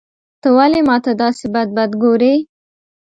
ته ولي ماته داسي بد بد ګورې.